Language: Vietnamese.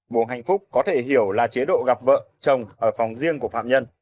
mùa hạnh phúc có thể hiểu là chế độ gặp vợ chồng ở phòng riêng của phạm nhân